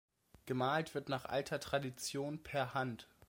Gemalt wird nach alter Tradition per Hand.